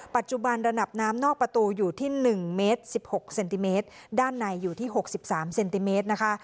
ปัจจุบันระดับน้ำนอกประตูอยู่ที่๑เมตร๑๖เซนติเมตรด้านในอยู่ที่๖๓เซนติเมตรนะคะ